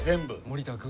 森田君。